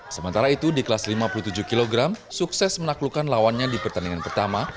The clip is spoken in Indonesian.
sementara itu di kelas lima puluh tujuh kg sukses menaklukkan lawannya di pertandingan pertama